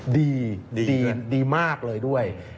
ดีดีมากเลยด้วย